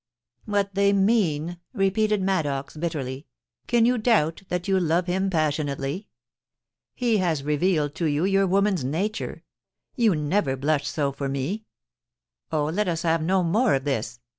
* What they mean,' repeated Maddox, bitterly ;* can you doubt that you love him passionately ? He has revealed to you your woman's nature. You never blushed so for me. ... Oh, let us have no more of this